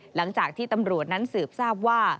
หลังจากที่ตำรวจนั้นสืบทราบว่า